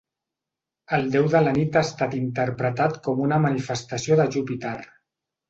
El déu de la nit ha estat interpretat com una manifestació de Júpiter.